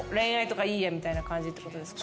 みたいな感じってことですか？